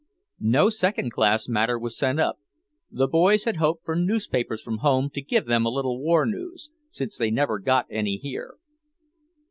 No second class matter was sent up, the boys had hoped for newspapers from home to give them a little war news, since they never got any here.